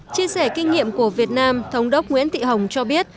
chia sẻ kinh nghiệm của việt nam thống đốc nguyễn thị hồng cho biết